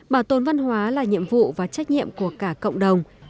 bảo tồn văn hóa là nhiệm vụ và trách nhiệm của cả cộng đồng